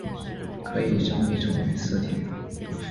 可以升级成为四天。